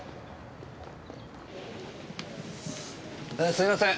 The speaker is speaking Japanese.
すいません。